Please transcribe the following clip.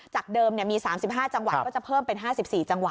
จากเดิมมี๓๕จังหวัดก็จะเพิ่มเป็น๕๔จังหวัด